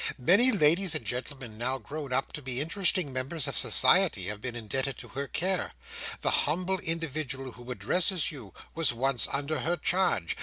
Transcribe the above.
Many ladies and gentleman, now grown up to be interesting members of society, have been indebted to her care. The humble individual who addresses you was once under her charge.